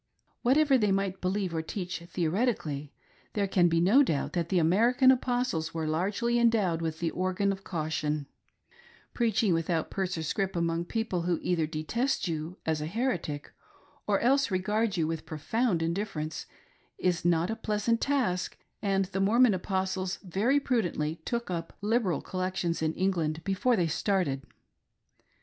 Whatever they might believe or teach theoretically, there can be no doubt that the American Apostles were largely en dowed with the "organ" of caution, teaching without purse or scrip among people who either detest you as a heretic or else regard you with profound indifference is not a pleasant task, and the Mormon Apostles very p udently "took up" lib eral collections in England before they started.